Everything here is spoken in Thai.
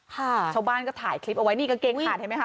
ชาวบ้านก็ถ่ายคลิปเอาไว้นี่กางเกงขาดเห็นไหมคะ